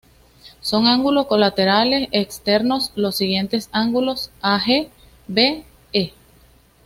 Son ángulos colaterales externos los siguientes ángulos: a,g; be, he.